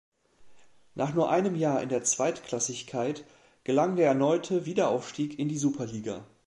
Nach nur einem Jahr in der Zweitklassigkeit gelang der erneute Wiederaufstieg in die Superliga.